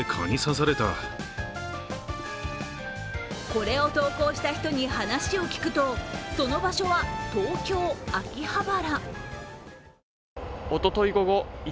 これを投稿した人に話を聞くとその場所は、東京・秋葉原。